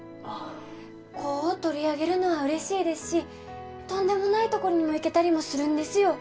子を取り上げるのは嬉しいですしとんでもないとこにも行けたりもするんですよ